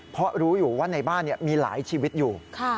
เพราะรู้อยู่ว่าในบ้านมีหลายชีวิตอยู่